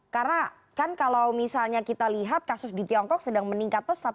karena kan kalau misalnya kita lihat kasus di tiongkok sedang meningkat pesat